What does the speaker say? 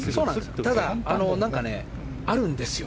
ただ、何かあるんですよ。